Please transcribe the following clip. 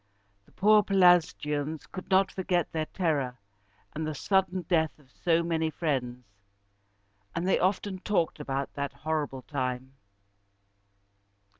The poor Pelasgians could not forget their terror and the sudden death of so many friends, and they often talked about that horrible time.